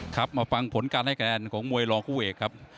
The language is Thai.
ครับมาฟังผลการให้คะแนนของมวยรองคู่เอกครับ